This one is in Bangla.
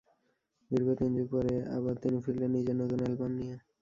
দীর্ঘ তিন যুগ পরে আবার তিনি ফিরলেন নিজের নতুন অ্যালবাম নিয়ে।